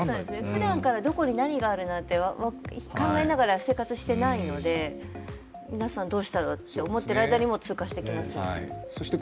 ふだんからどこに何があるかなんて考えながら生活してないので皆さんどうしようと思っている間に、もう通過したと。